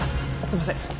すいません。